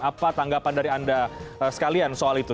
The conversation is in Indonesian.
apa tanggapan dari anda sekalian soal itu